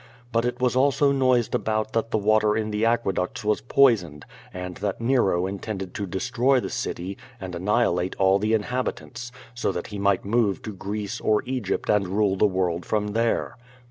But it was also noised about that the water in the aqueducts was poisoned, and that Nero intended to de stroy the city and annihilate all the inhabitants, so that he might move to Greece or Egypt and rule the world from there.